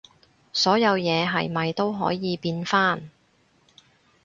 所有嘢係咪都可以變返